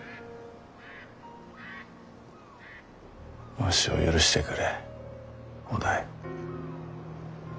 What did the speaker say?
わしを許してくれ於大。